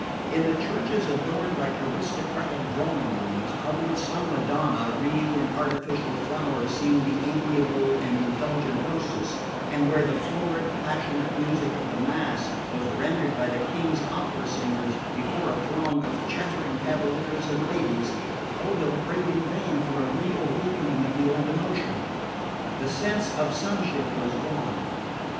In the churches adorned like aristocratic drawing rooms, of which some Madonna, wreathed in artificial flowers, seemed the amiable and indulgent hostess, and where the florid passionate music of the mass was rendered by the King's opera singers before a throng of chattering cavaliers and ladies, Odo prayed in vain for a reawakening of the old emotion. The sense of sonship was gone.